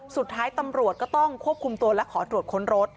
สุดท้ายตำรวจก็ต้องควบคุมตัวและขอตรวจค้นรถ